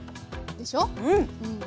でしょ！